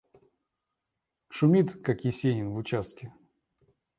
Шумит, как Есенин в участке.